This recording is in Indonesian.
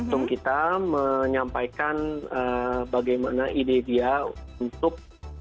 tim kita menyampaikan bagaimana ide dia untuk